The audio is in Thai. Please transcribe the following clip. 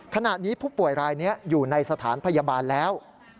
ขณะนี้ผู้ป่วยรายนี้อยู่ในสถานพยาบาลแล้ว